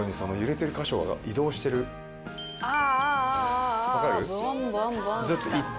ああ。